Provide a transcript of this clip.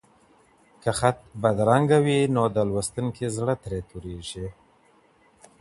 که خط بدرنګه وي نو د لوستونکي زړه ترې توریږي.